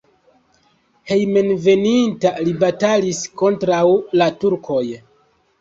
Hejmenveninta li batalis kontraŭ la turkoj.